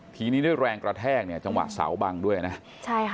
ทีนี้ด้วยแรงกระแทกจังหวะเสาบังด้วยนะ